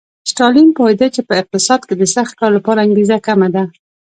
ستالین پوهېده چې په اقتصاد کې د سخت کار لپاره انګېزه کمه ده